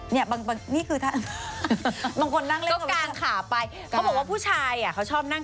เนี่ยบางคนนี่คือท่านั่ง